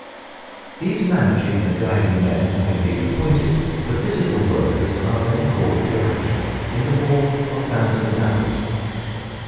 These managing and guiding men having been appointed, the physical workers are then called into action, in the form of bands of navvies.